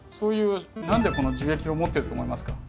何でこの樹液を持ってると思いますか？